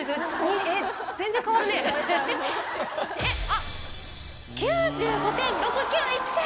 あっ！９５．６９１点！